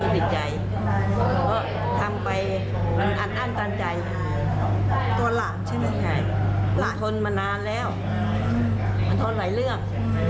มันทนหลายเรื่อง